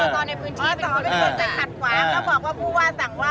เขาบอกว่าผู้ว่าสั่งว่า